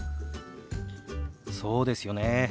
そうですよねえ。